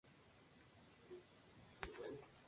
No es posible inferir mucho más.